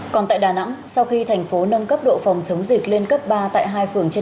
còn tại đà nẵng sau khi thành phố nâng cấp độ phòng chống dịch lên cấp ba tại hai phường trên